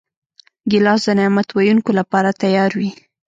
ګیلاس د نعت ویونکو لپاره تیار وي.